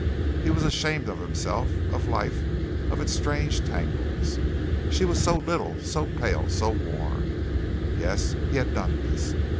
He was ashamed of himself, of life of its strange tangles. She was so little, so pale, so worn. Yes, he had done this.